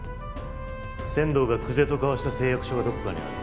千堂が久瀬と交わした誓約書がどこかにある。